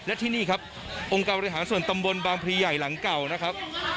และที่นี่ครับองค์การบริหารส่วนตำบลบางพลีใหญ่หลังเก่านะครับ